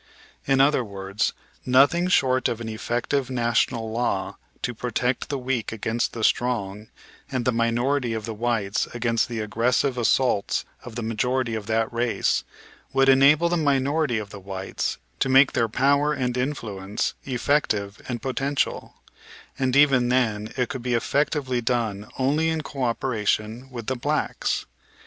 In other words, nothing short of an effective national law, to protect the weak against the strong and the minority of the whites against the aggressive assaults of the majority of that race, would enable the minority of the whites to make their power and influence effective and potential; and even then it could be effectively done only in coöperation with the blacks.